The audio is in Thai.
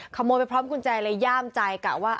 ขโมยไปพร้อมกุญแจเลยย่ามใจกะว่า